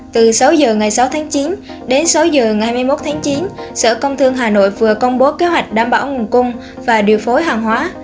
từ sáu h ngày sáu tháng chín đến sáu giờ ngày hai mươi một tháng chín sở công thương hà nội vừa công bố kế hoạch đảm bảo nguồn cung và điều phối hàng hóa